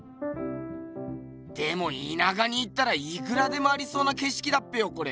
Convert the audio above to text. でもいなかに行ったらいくらでもありそうなけしきだっぺよこれ。